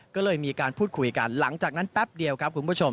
ก็เลยมีการพูดคุยกันหลังจากนั้นแป๊บเดียวครับคุณผู้ชม